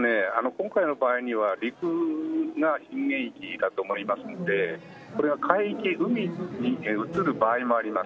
今回の場合には陸が震源地だと思いますのでそれが海域海に移る場合もあります。